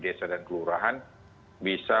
desa dan kelurahan bisa